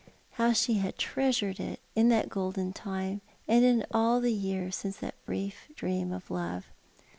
How she had treasured it, in that golden time; and in all the yeats since that brief dream of love